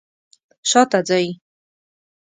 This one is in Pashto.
شاته ځئ